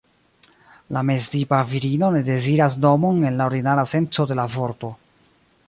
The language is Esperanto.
La meztipa virino ne deziras domon en la ordinara senco de la vorto.